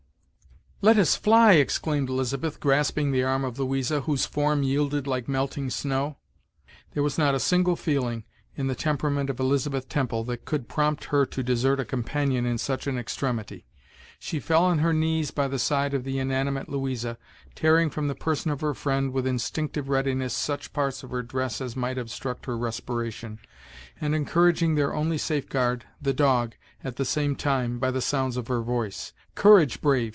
"Let us fly," exclaimed Elizabeth, grasping the arm of Louisa, whose form yielded like melting snow. There was not a single feeling in the temperament of Elizabeth Temple that could prompt her to desert a companion in such an extremity. She fell on her knees by the side of the inanimate Louisa, tearing from the person of her friend, with instinctive readiness, such parts of her dress as might obstruct her respiration, and encouraging their only safeguard, the dog, at the same time, by the sounds of her voice. "Courage, Brave!"